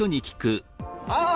あ！